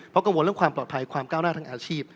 เพราะกังวลเรื่องความปลอดภัยความก้าวหน้าทางอาชีพ